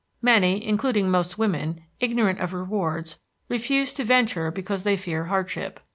Many, including most women, ignorant of rewards, refuse to venture because they fear hardship.